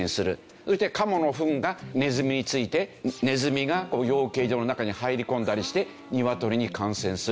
そしてカモのフンがネズミに付いてネズミが養鶏場の中に入り込んだりして鶏に感染する。